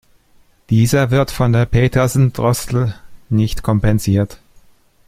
Dieser wird von der Petersen-Drossel nicht kompensiert.